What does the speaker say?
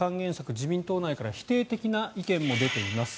自民党内から否定的な意見も出ています。